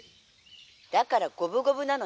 「だから五分五分なのよ。